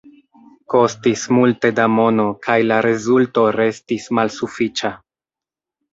Kostis multe da mono, kaj la rezulto restis malsufiĉa.